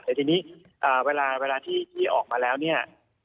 แต่ทีนี้เวลาที่ออกมาแล้วเนี่ย